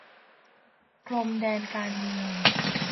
พรมแดนการเมือง